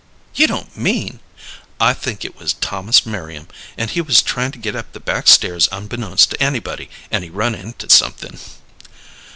"You don't mean " "I think it was Thomas Merriam, and he was tryin' to get up the back stairs unbeknownst to anybody, and he run into something."